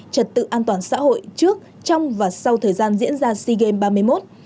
trật tự an toàn xã hội trước trong và sau thời gian diễn ra sea games ba mươi một